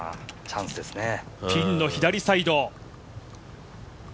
ピンの左サイド。